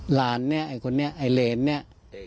หลานเนี่ยไอ้คนนี้ไอ้เหรนเนี่ย